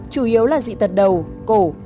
chủ yếu là dị tật đầu cổ